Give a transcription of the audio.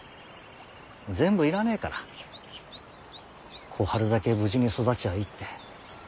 全部要らねえから小春だけ無事に育ちゃあいいって。